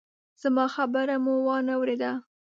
زما خبره مو وانه ورېده!